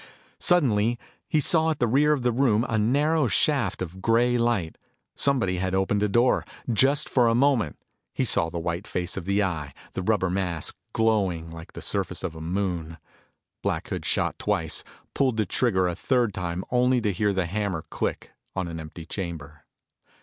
Suddenly he saw at the rear of the room, a narrow shaft of gray light. Somebody had opened a door. For just a moment, he saw the white face of the Eye, his rubber mask glowing like the surface of a moon. Black Hood shot twice, pulled the trigger a third time only to hear the hammer click on an empty chamber.